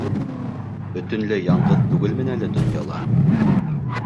Бөтөнләй яңғыҙ түгелмен әле донъяла...